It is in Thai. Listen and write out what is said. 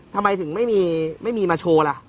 ทำไมถึงไม่มีมาโชว์ล่ะ